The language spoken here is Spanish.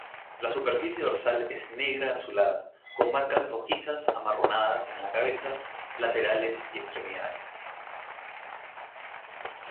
La superficie dorsal es negra-azulada con marcas rojizas-amarronadas en la cabeza, laterales y extremidades.